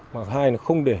mà thứ hai là không để xe ô tô